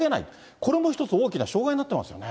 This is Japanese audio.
これも一つ大きな障害になってますよね。